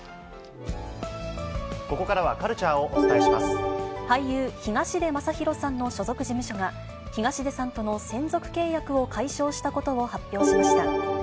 ここからはカルチャーをお伝俳優、東出昌大さんの所属事務所が、東出さんとの専属契約を解消したことを発表しました。